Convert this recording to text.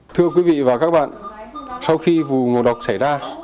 thưa quý vị và các bạn sau khi vụ ngộ độc xảy ra